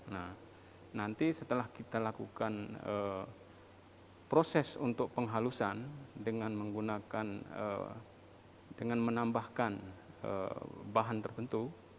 nah nanti setelah kita lakukan proses untuk penghalusan dengan menggunakan dengan menambahkan bahan tertentu